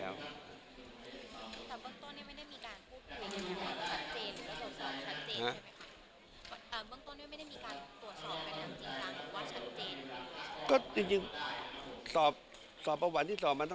แล้วมันยังมีมีความว่า